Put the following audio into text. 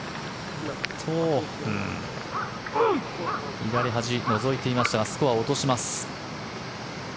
左端、のぞいていましたがスコアを落とします。